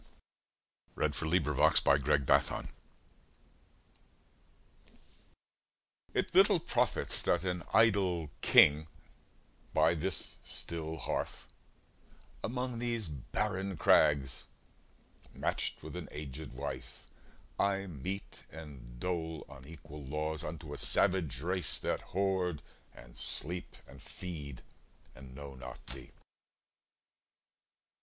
Alfred, Lord Tennyson Ulysses IT LITTLE profits that an idle king, By this still hearth, among these barren crags, Match'd with an aged wife, I mete and dole Unequal laws unto a savage race, That hoard, and sleep, and feed, and know not me.